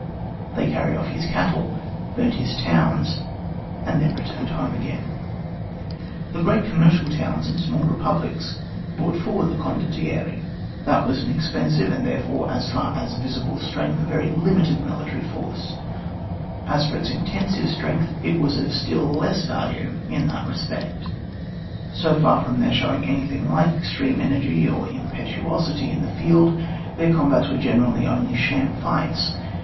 They carried off his cattle, burnt his towns, and then returned home again. The great commercial towns and small republics4>rought forward the condottieri. That was an expensive, and therefore, as far as visible strength, a very limited military force; as for its intensive strength, it was of still less value in that respeot ; bo far from their showing any thing like extreme energy or impetuosity in the field, their combats were generally only sham fights.